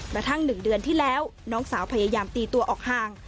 กระทั่ง๑เดือนที่แล้วน้องสาวพยายามตีตัวออกห่าง